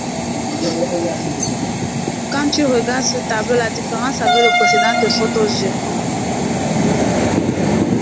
Quand tu regardes ce tableau, la différence avec le précédent te saute aux yeux.